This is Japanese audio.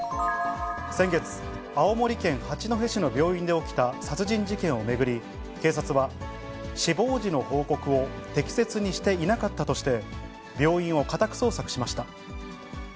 先月、青森県八戸市の病院で起きた殺人事件を巡り、警察は、死亡時の報告を適切にしていなかったとして、病院を家宅捜索しました。